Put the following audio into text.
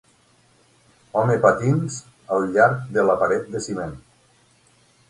Home patins al llarg de la paret de ciment